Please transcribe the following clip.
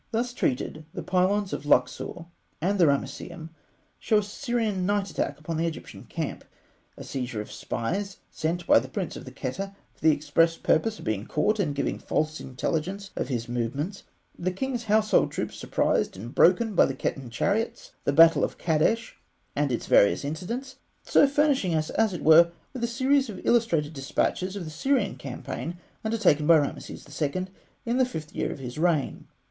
Thus treated, the pylons of Luxor and the Ramesseum show a Syrian night attack upon the Egyptian camp; a seizure of spies sent by the prince of the Kheta for the express purpose of being caught and giving false intelligence of his movements; the king's household troops surprised and broken by the Khetan chariots; the battle of Kadesh and its various incidents, so furnishing us, as it were, with a series of illustrated despatches of the Syrian campaign undertaken by Rameses II. in the fifth year of his reign.